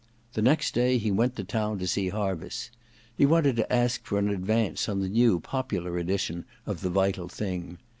The next day he went to town to see Harviss. He wanted to ask for an advance on the new popular edition of *The Vital Thing.'